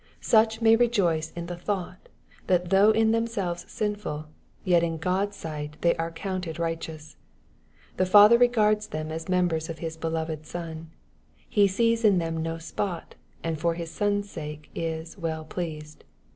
Such may rejoice in the thought, that though in themselves sinful, yet in God's sight they are counted righteous. The Father regards them as members of His beloved Son. He sees in them no spot, and for His son's sake is ^^ well pleased."